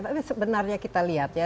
tapi sebenarnya kita lihat ya